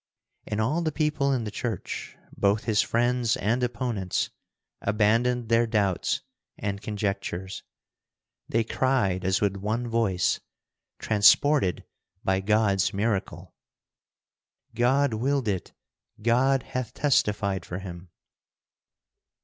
And all the people in the church, both his friends and opponents, abandoned their doubts and conjectures. They cried as with one voice, transported by God's miracle: "God willed it! God hath testified for him!"